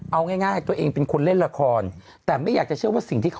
เอาง่ายตัวเองเป็นคนเล่นละครแต่ไม่อยากจะเชื่อว่าสิ่งที่เขา